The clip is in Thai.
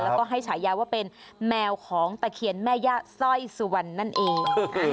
แล้วก็ให้ฉายาว่าเป็นแมวของตะเคียนแม่ย่าสร้อยสุวรรณนั่นเอง